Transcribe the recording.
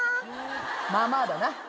まあまあだな。